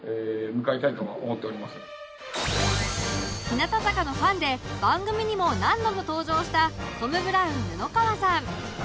日向坂のファンで番組にも何度も登場したトム・ブラウン布川さん